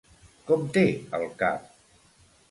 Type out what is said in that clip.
Com té el cap?